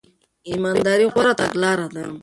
ایمانداري غوره تګلاره ده.